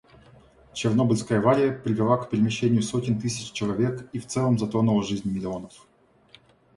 Чернобыльская авария привела к перемещению сотен тысяч человек и в целом затронула жизнь миллионов.